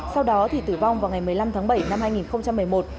sau đó thì tử vong vào ngày một mươi năm tháng bảy năm hai nghìn một mươi một